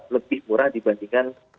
lebih murah dibandingkan